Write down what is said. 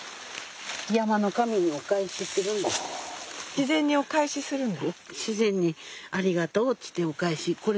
自然にお返しするんだ。